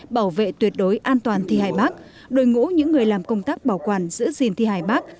bảo vệ tuyệt đối an toàn thi hài bắc đội ngũ những người làm công tác bảo quản giữ gìn thi hài bắc